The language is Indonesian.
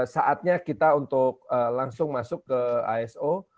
saatnya kita untuk langsung masuk ke aso